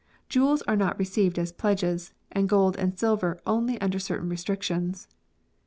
Jewels are not received as pledges, and gold and silver only under certain restrictions.